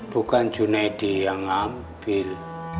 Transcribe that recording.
bukan junaidy yang ngambil